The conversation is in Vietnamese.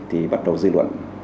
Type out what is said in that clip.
thì bắt đầu dư luận